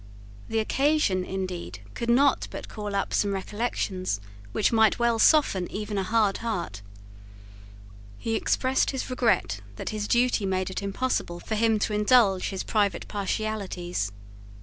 The occasion, indeed, could not but call up some recollections which might well soften even a hard heart. He expressed his regret that his duty made it impossible for him to indulge his private partialities.